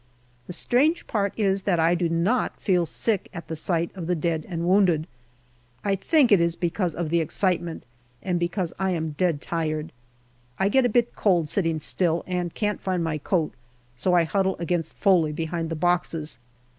The strange part is that I do not feel sick at the sight of the dead and wounded. I think it is because of the excitement, and because I am dead tired. I get a bit cold sitting still, and can't find my coat, so I huddle against Foley behind the boxes.